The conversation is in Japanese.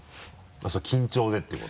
それ緊張でってこと？